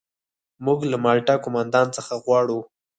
موږ له مالټا قوماندان څخه غواړو.